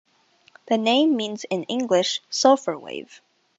The name means in English: "sulphur wave".